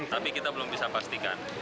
tapi kita belum bisa pastikan